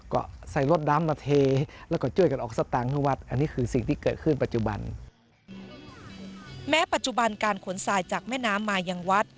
ก็ใส่รถด้ำมาเทแล้วก็ช่วยกันด้วยออกชาตาเข้าวัด